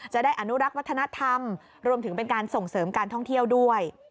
จะได้อนุรักษ์วัฒนธรรมรวมถึงเป็นการส่งเสริมการท่องเที่ยวด้วย